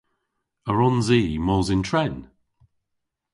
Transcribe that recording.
A wrons i mos yn tren?